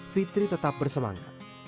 fitri tetap bersemangat